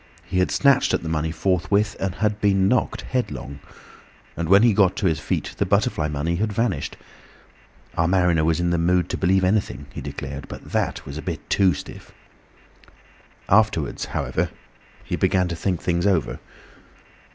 He had snatched at the money forthwith and had been knocked headlong, and when he had got to his feet the butterfly money had vanished. Our mariner was in the mood to believe anything, he declared, but that was a bit too stiff. Afterwards, however, he began to think things over.